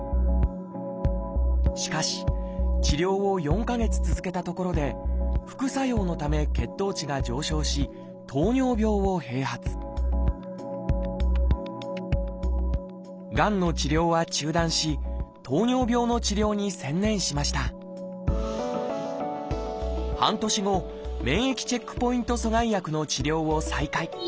しかし治療を４か月続けたところで副作用のため血糖値が上昇し糖尿病を併発がんの治療は中断し糖尿病の治療に専念しました半年後免疫チェックポイント阻害薬の治療を再開。